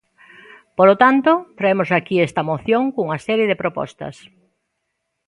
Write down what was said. Polo tanto, traemos aquí esta moción cunha serie de propostas.